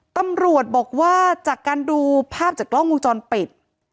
ตำรวจบอกว่าจากการดูภาพจากกล้องวงจรปิด